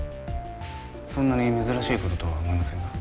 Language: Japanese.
そんなに珍しいこととは思いませんが。